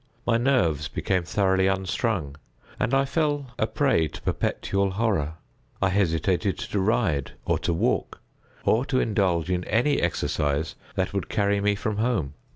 My nerves became thoroughly unstrung, and I fell a prey to perpetual horror. I hesitated to ride, or to walk, or to indulge in any exercise that would carry me from home.